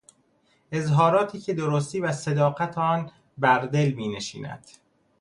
اظهاراتی که درستی و صداقت آن بردل مینشیند